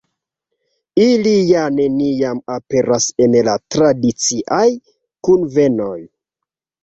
Ili ja neniam aperas en la tradiciaj kunvenoj.